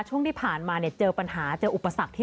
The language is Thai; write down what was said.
ช่วงที่ผ่านมาเนี่ยเจอปัญหาเจออุปสรรคที่